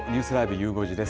ゆう５時です。